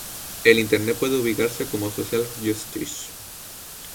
En Internet puede ubicarse como "Social justice".